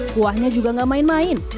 kuahnya juga gak main main